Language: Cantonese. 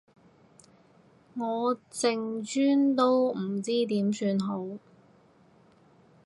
我淨專都唔知點算好